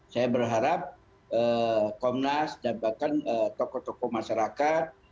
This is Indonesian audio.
saya berharap komnas dan bahkan tokoh tokoh masyarakat